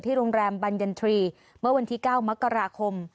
โรงแรมบรรยันทรีย์เมื่อวันที่๙มกราคม